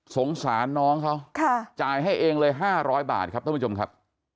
สงสารน้องเขาจ่ายให้เองเลย๕๐๐บาทครับท่านผู้ชมครับ